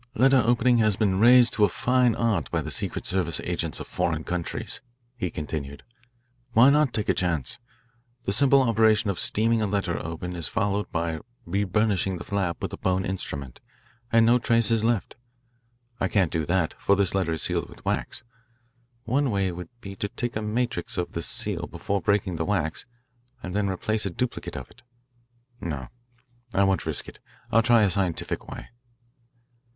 "Letter opening has been raised to a fine art by the secret service agents of foreign countries," he continued. "Why not take a chance? The simple operation of steaming a letter open is followed by reburnishing the flap with a bone instrument, and no trace is left. I can't do that, for this letter is sealed with wax. One way would be to take a matrix of the seal before breaking the wax and then replace a duplicate of it. No, I won't risk it. I'll try a scientific way."